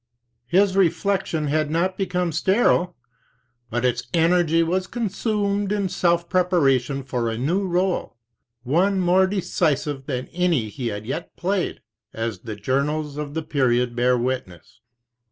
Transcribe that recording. His reflection had not become sterile, but its energy was consumed in self preparation for a new role, one more decisive than any he had yet played, as the journals of the period bear witness.